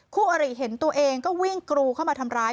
คู่อริเห็นตัวเองก็วิ่งกรูเข้ามาทำร้าย